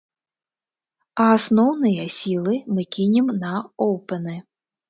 А асноўныя сілы мы кінем на оўпэны.